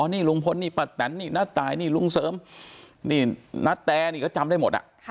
อ๋อนี่ลุงพลนี่ปะแตนนี่นาดแตนนี่ลุงเสิร์มนี่นัอแตนี่ก็จำได้หมด